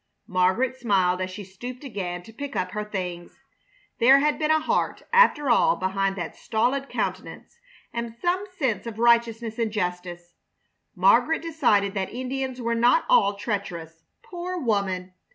Margaret smiled as she stooped again to pick up her things. There had been a heart, after all, behind that stolid countenance, and some sense of righteousness and justice. Margaret decided that Indians were not all treacherous. Poor woman!